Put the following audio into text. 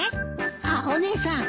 あっお姉さん。